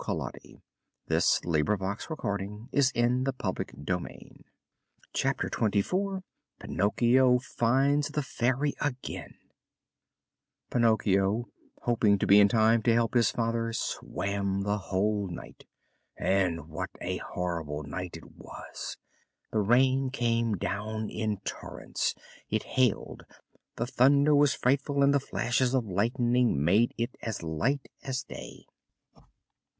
At last they lost sight of him and he was seen no more. CHAPTER XXIV PINOCCHIO FINDS THE FAIRY AGAIN Pinocchio, hoping to be in time to help his father, swam the whole night. And what a horrible night it was! The rain came down in torrents, it hailed, the thunder was frightful, and the flashes of lightning made it as light as day.